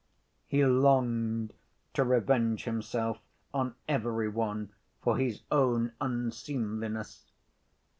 He longed to revenge himself on every one for his own unseemliness.